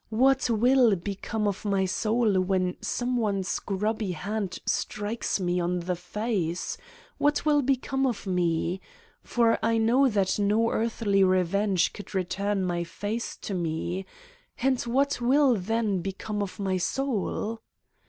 What will become of my soul when some one's grubby hand strikes me on the face. ... What will become of me ! For I know that no earthly revenge could return my face to me. And what will then become of my soul?